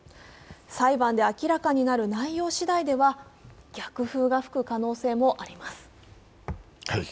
裁判で明らかになる内容しだいでは逆風が吹く可能性もあります。